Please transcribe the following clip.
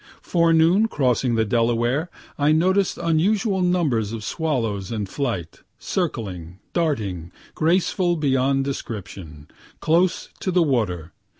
Forenoon, crossing the Delaware, I noticed unusual numbers of swallows in flight, circling, darting, graceful beyond description, close to the water.